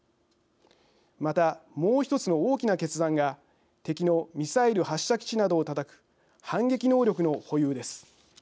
また、もう１つの大きな決断が敵のミサイル発射基地などをたたく反撃能力の保有です。